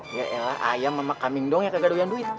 yaelah ayam sama kaming dong yang kagak doyan duit